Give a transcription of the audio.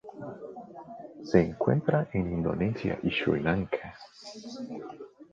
Se encuentra en Indonesia y Sri Lanka.